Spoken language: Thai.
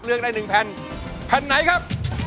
เลือกได้๑แผ่นแผ่นไหนครับ